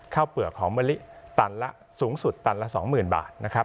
ข้าวเปลือกของมลิสูงสุดตันละ๒๐๐๐๐บาท